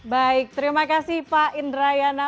baik terima kasih pak indrayana